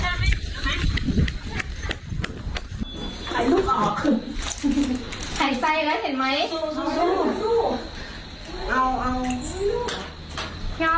ลูกยางได้แล้ว